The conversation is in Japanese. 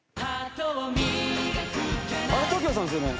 ＴＯＫＩＯさんですよね？